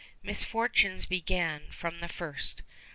Misfortunes began from the first.